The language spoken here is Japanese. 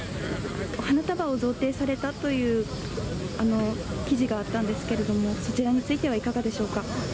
花束を贈呈されたという、記事があったんですけれども、そちらについてはいかがでしょうか。